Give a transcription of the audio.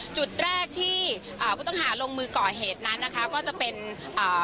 จุดแรกที่อ่าผู้ต้องหาลงมือก่อเหตุนั้นนะคะก็จะเป็นอ่า